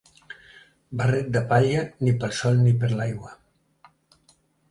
Barret de palla, ni pel sol ni per l'aigua.